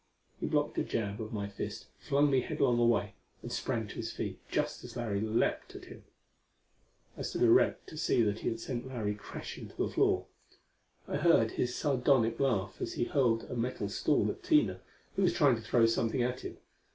He blocked a jab of my fist, flung me headlong away and sprang to his feet just as Larry leaped at him. I stood erect, to see that he had sent Larry crashing to the floor. I heard his sardonic laugh as he hurled a metal stool at Tina, who was trying to throw something at him.